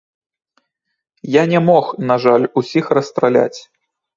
Я не мог, на жаль, усіх расстраляць.